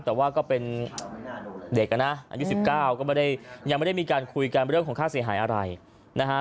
แต่ว่าก็เป็นเด็กนะอายุ๑๙ก็ไม่ได้ยังไม่ได้มีการคุยกันเรื่องของค่าเสียหายอะไรนะฮะ